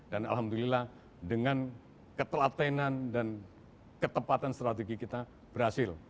dan alhamdulillah dengan ketelatenan dan ketepatan strategi kita berhasil